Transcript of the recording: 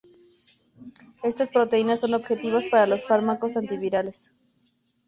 Estas proteínas son objetivos para los fármacos antivirales.